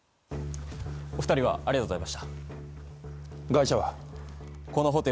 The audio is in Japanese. お二人はありがとうございました。